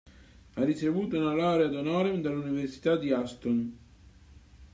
Ha ricevuto una laurea ad honorem dall'Università di Aston.